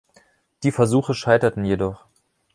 Die Versuche scheiterten jedoch.